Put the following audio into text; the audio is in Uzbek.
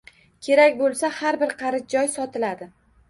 Kerak bo‘lsa, har bir qarich joy sotiladi